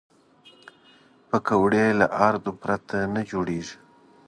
پکورې له آردو پرته نه جوړېږي